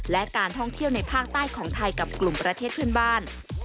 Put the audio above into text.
และการท่องเที่ยวในภาคใต้ของไทยกับกลุ่มประเทศเพื่อนบ้าน